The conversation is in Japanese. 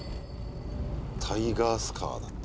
タイガースカーだって。